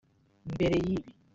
Mbere y’ibi